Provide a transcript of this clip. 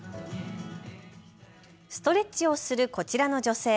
ストレッチをするこちらの女性。